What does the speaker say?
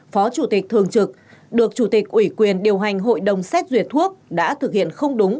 phó chủ tịch thường trực được chủ tịch ủy quyền điều hành hội đồng xét duyệt thuốc đã thực hiện không đúng